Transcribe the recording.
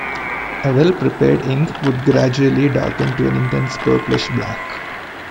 A well-prepared ink would gradually darken to an intense purplish black.